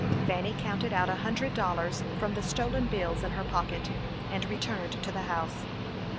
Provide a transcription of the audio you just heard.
Fanny counted out a hundred dollars from the stolen bills in her pocket, and returned to the house.